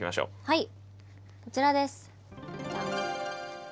はい。